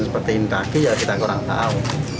seperti ini kaki ya kita kurang tahu